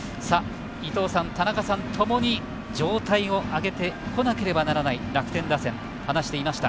伊東さん、田中さんともに状態を上げてこなければならない楽天打線と話していました